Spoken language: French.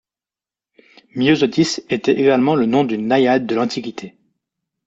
Myosotis était également le nom d'une naïade de l'Antiquité.